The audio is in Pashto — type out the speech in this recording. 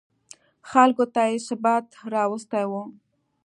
خلکو ته یې ثبات راوستی و.